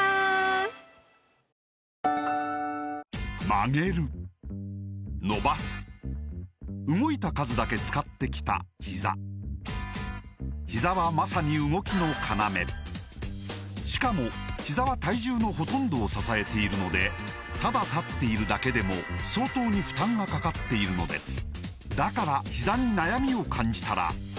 曲げる伸ばす動いた数だけ使ってきたひざひざはまさに動きの要しかもひざは体重のほとんどを支えているのでただ立っているだけでも相当に負担がかかっているのですだからひざに悩みを感じたら始めてみませんか